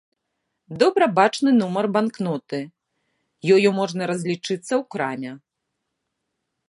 Добра бачны нумар банкноты, ёю можна разлічыцца ў краме.